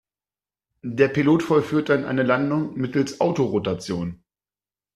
Der Pilot vollführt dann eine Landung mittels Autorotation.